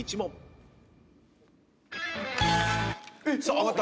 上がった。